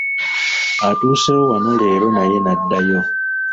Atuuseewo wano leero naye n’addayo.